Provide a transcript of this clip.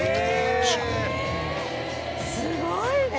すごいね。